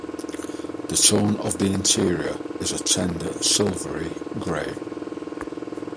The tone of the interior is a tender silvery grey.